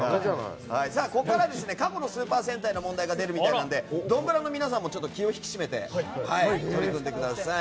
ここから過去のスーパー戦隊の問題が出るみたいなのでドンブラの皆さんも気を引き締めて取り組んでください。